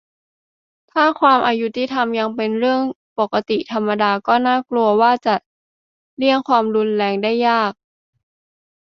ถ้า ความอยุติธรรม ยังเป็นเรื่องปกติธรรมดา ก็น่ากลัวว่าคงจะเลี่ยง ความรุนแรง ได้ยาก